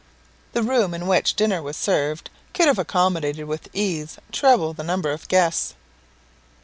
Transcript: The room in which dinner was served could have accommodated with ease treble the number of guests.